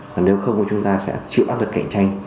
còn nếu không thì chúng ta sẽ chịu áp lực cạnh tranh